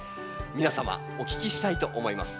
皆様お聞きしたいと思います。